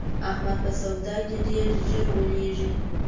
احمد په سودا کې ډېر زر غولېږي.